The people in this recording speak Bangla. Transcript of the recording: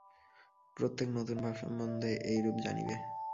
প্রত্যেক নূতন ভাব সম্বন্ধে এইরূপ জানিবে।